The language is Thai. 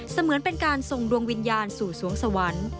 เหมือนเป็นการส่งดวงวิญญาณสู่สวงสวรรค์